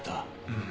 うん。